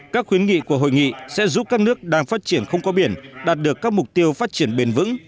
các khuyến nghị của hội nghị sẽ giúp các nước đang phát triển không có biển đạt được các mục tiêu phát triển bền vững